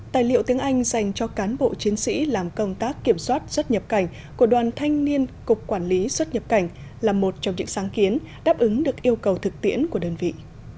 tài liệu tiếng anh dành cho cán bộ chiến sĩ làm công tác kiểm soát xuất nhập cảnh của đoàn thanh niên cục quản lý xuất nhập cảnh là một trong những sáng kiến đáp ứng được yêu cầu thực tiễn của đơn vị